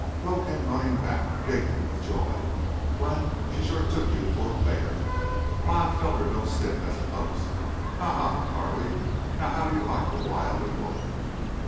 Flo came running back, giggling with joy. "Glenn, she shore took you for a bear. Why, I felt her go stiff as a post!... Ha! Ha! Ha! Carley, now how do you like the wild and woolly?"